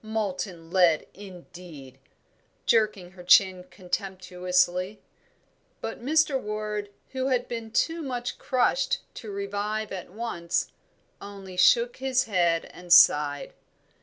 Molten lead, indeed!" jerking her chin contemptuously. But Mr. Ward, who had been too much crushed to revive at once, only shook his head and sighed.